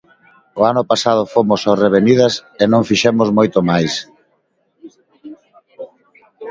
O ano pasado fomos ao Revenidas e non fixemos moito máis.